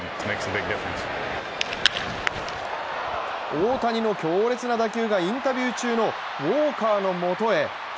大谷の強烈な打球がインタビュー中のウォーカーのもとへ。